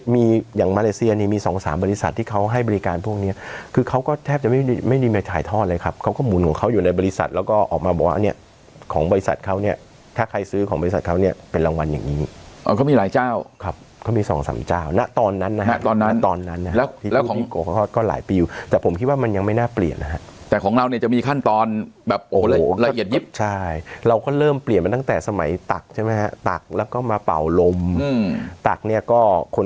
มีอย่างมาเลเซียนมีสองสามบริษัทที่เขาให้บริการพวกนี้คือเขาก็แทบจะไม่ได้ไม่ได้มาถ่ายทอดเลยครับเขาก็หมุนของเขาอยู่ในบริษัทแล้วก็ออกมาบอกว่าเนี่ยของบริษัทเขาเนี่ยถ้าใครซื้อของบริษัทเขาเนี่ยเป็นรางวัลอย่างนี้อ่ะเขามีหลายเจ้าครับเขามีสองสามเจ้านะตอนนั้นนะฮะตอนนั้นตอนนั้นนะฮะแล้วแล้วของก็ก็หล